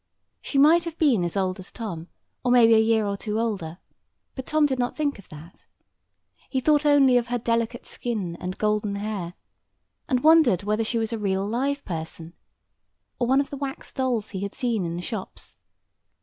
She might have been as old as Tom, or maybe a year or two older; but Tom did not think of that. He thought only of her delicate skin and golden hair, and wondered whether she was a real live person, or one of the wax dolls he had seen in the shops.